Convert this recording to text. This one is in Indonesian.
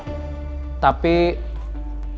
orang yang menjadi dalang dari penyerangan itu